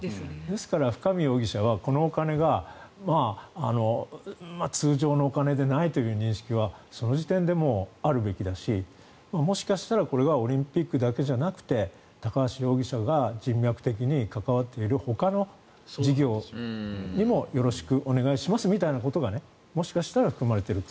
ですから、深見容疑者はこのお金が通常のお金でないという認識はその時点であるべきだしもしかしたら、これはオリンピックだけじゃなくて高橋容疑者が人脈的に関わっているほかの事業にもよろしくお願いしますみたいなことがもしかしたら含まれている。